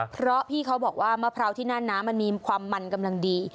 เพราะพี่เขาบอกว่ามะพร้าวที่นั่นนะมันมีความมันกำลังดี